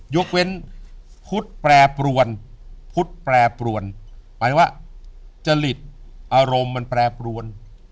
ยกเว้นพุทธแปรปรวนพุทธแปรปรวนหมายว่าจริตอารมณ์มันแปรปรวน